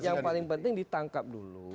yang paling penting ditangkap dulu